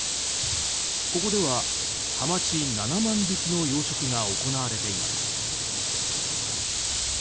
ここではハマチ７万匹の養殖が行われています。